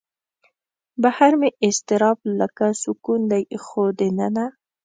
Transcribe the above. بهر مې اضطراب لکه سکون دی خو دننه